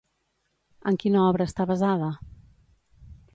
En quina obra està basada?